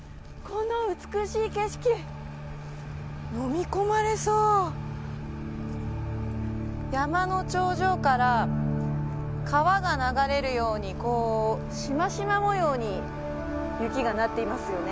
この美しい景色飲み込まれそう山の頂上から川が流れるようにシマシマ模様に雪がなっていますよね